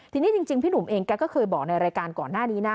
ทีนี้จริงพี่หนุ่มเองแกก็เคยบอกในรายการก่อนหน้านี้นะ